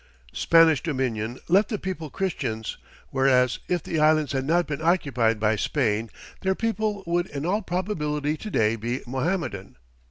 Spanish dominion left the people Christians, whereas, if the Islands had not been occupied by Spain, their people would in all probability to day be Mohammedan.